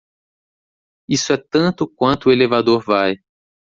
Isso é tanto quanto o elevador vai.